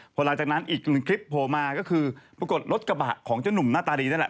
พอหลังจากนั้นอีกหนึ่งคลิปโผล่มาก็คือปรากฏรถกระบะของเจ้าหนุ่มหน้าตาดีนั่นแหละ